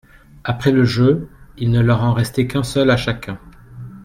Après le jeu, il ne leur en restait qu'un seul à chacun.